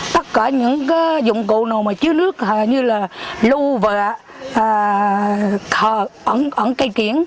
tất cả những dụng cụ nào mà chứa nước như là lưu vạm ẩn cây kiển